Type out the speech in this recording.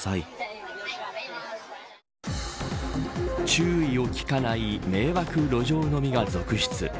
注意を聞かない迷惑路上飲みが続出。